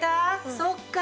そっか。